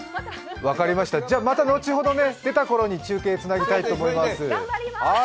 また後ほど、出たころに中継つなぎたいと思います。